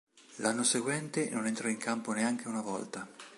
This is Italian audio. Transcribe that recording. L'anno seguente non entrò in campo neanche una volta.